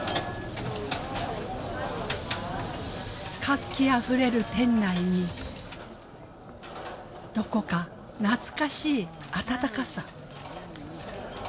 活気あふれる店内にどこか懐かしい温かさ。